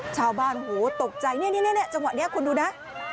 ชาวบ้านโหตกใจเนี่ยเนี่ยเนี่ยเนี่ยจังหวะเนี้ยคุณดูนะ